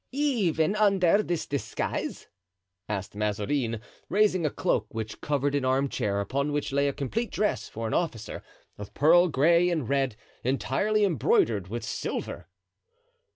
"Even under this disguise?" asked Mazarin, raising a cloak which covered an arm chair, upon which lay a complete dress for an officer, of pearl gray and red, entirely embroidered with silver.